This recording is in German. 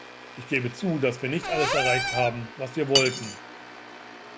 Ich gebe zu, dass wir nicht alles erreicht haben, was wir wollten.